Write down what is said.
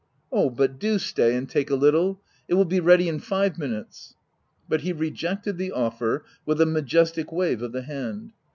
" Oh, but do stay and take a little ! it will be ready in five minutes." But he rejected the offer, with a majestic wave of the hand.